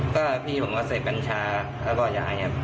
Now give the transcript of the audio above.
ก็พี่ผมก็เสพกัญชาแล้วก็ยายครับ